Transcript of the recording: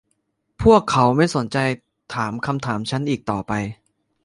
พวกเขาไม่สนใจถามคำถามฉันอีกต่อไป